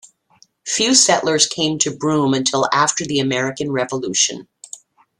Few settlers came to Broome until after the American Revolution.